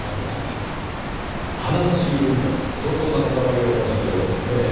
花の仕入れにも相当なこだわりをお持ちのようですねぇ。